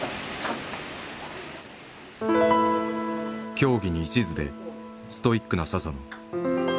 競技に一途でストイックな佐々野。